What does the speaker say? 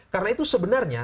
karena itu sebenarnya